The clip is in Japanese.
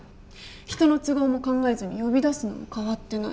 人の都合も考えずに呼び出すのも変わってない。